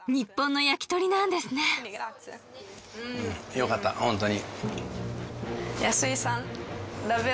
よかった本当に。